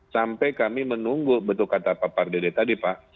sampai kami menunggu betul kata pak pardede tadi pak